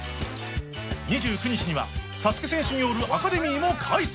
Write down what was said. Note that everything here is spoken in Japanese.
２９日にはＳＡＳＵＫＥ選手によるアカデミーも開催！